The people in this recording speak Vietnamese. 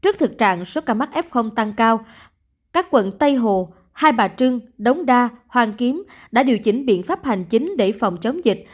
các quận tây hồ hai bà trưng đống đa hoàng kiếm đã điều chỉnh biện pháp hành chính để phòng chống dịch